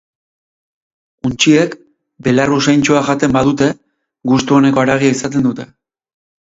Untxiek, belar usaintsua jaten badute, gustu oneko haragia izaten dute.